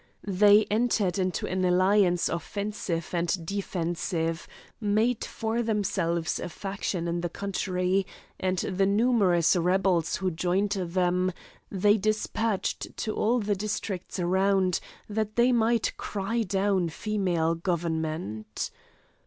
They entered into an alliance offensive and defensive, made for themselves a faction in the country, and the numerous rebels who joined them they despatched to all the districts around, that they might cry down female government.